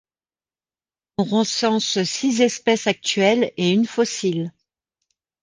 On recense six espèces actuelles et une fossile.